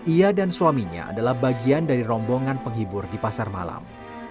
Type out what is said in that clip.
ia dan suaminya adalah bagian dari rombongan penghibur di pasar malam